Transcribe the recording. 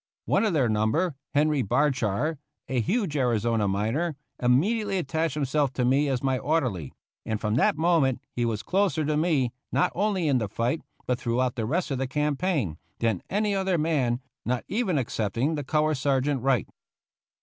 One of their number, Henry Bardshar, a huge Arizona miner, immediately at 124 THE CAVALRY AT SANTIAGO tached himself to me as my orderly, and from that moment he was closer to me, not only in die fight, but throughout the rest of the campaign, than any other man, not even excepting the color sergeant, Wright.